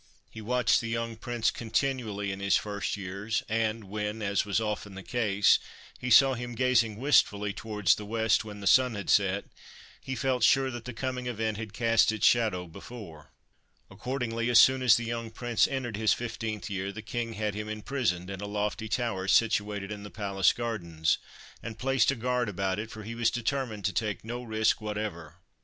He watched the young Prince continually in his first years, and, when, as was often the case, he saw him gazing wistfully towards the west when the sun had set, he felt sure that the coming event had cast its shadow before. Accordingly, as soon as the young Prince entered his fifteenth year, the King had him imprisoned in a lofty tower situated in the palace gardens, and placed a guard about it, for he was determined to take no risk whatever.